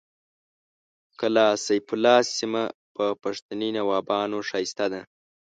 کلا سیف الله سیمه په پښتني نوابانو ښایسته ده